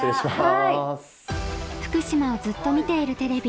「福島をずっと見ているＴＶ」